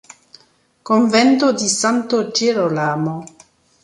Convento di San Girolamo